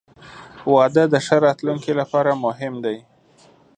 • واده د ښه راتلونکي لپاره مهم دی.